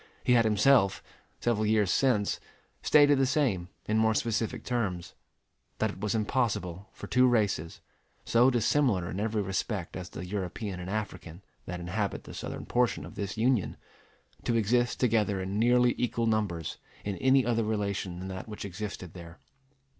He had himself, several years since, stated the same in more specific terms: that it was impossible for two races, so dissimilar in every respect as the European and African that inhabit the southern portion of this Union, to exist together in nearly equal numbers in any other relation than that which existed there.